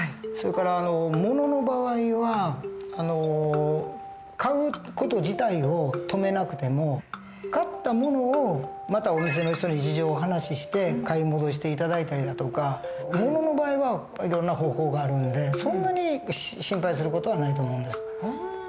それから物の場合は買う事自体を止めなくても買った物をまたお店の人に事情をお話しして買い戻して頂いたりだとか物の場合はいろんな方法があるんでそんなに心配する事はないと思うんです。